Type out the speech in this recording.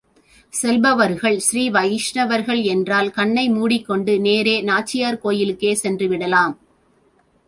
செல்பவர்கள் ஸ்ரீ வைஷ்ணவர்கள் என்றால் கண்ணை மூடிக் கொண்டு நேரே நாச்சியார் கோயிலுக்கே சென்று விடலாம்.